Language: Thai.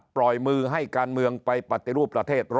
ปล่อยมือให้การเมืองไปปฏิรูปประเทศ๑๐